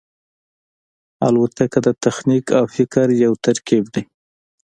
الوتکه د تخنیک او فکر یو ترکیب دی.